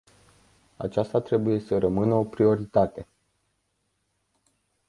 Aceasta trebuie să rămână o prioritate.